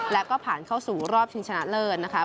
และก็ผ่านเข้าสู่รอบชิงชนะเลิศนะคะ